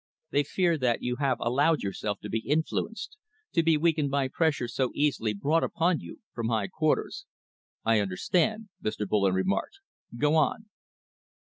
They fear that you have allowed yourself to be influenced, to be weakened by pressure so easily brought upon you from high quarters." "I understand," Mr. Bullen remarked. "Go on."